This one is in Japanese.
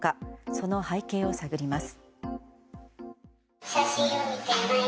その背景を探ります。